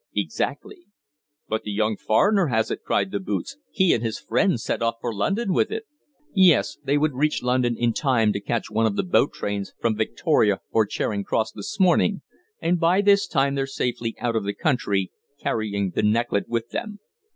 "Exactly." "But the young foreigner has it!" cried the boots. "He and his friend set off for London with it." "Yes. They would reach London in time to catch one of the boat trains from Victoria or Charing Cross this morning, and by this time they're safely out of the country carrying the necklet with them.